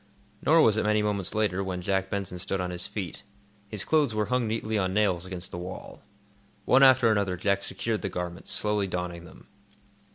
Nor was it many moments later when Jack Benson stood on his feet. His clothes were hung neatly on nails against the wall. One after another Jack secured the garments, slowly donning them.